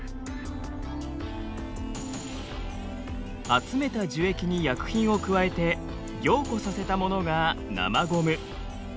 集めた樹液に薬品を加えて凝固させたものが生ゴム。